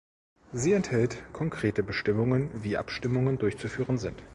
Sie enthält konkrete Bestimmungen, wie Abstimmungen durchzuführen sind.